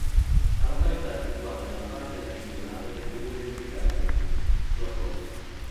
La località è situata nella parte meridionale del comune di Tricase, sulla costa.